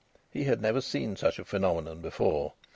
He had never seen such a phenomenon before.